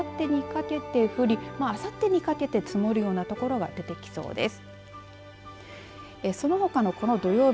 あすの夜からあさってにかけて降りあさってにかけて積もるような所が出てきそうです。